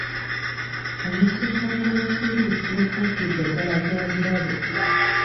Omusujja gw'ensiri gufuukidde ddala gwa bulabe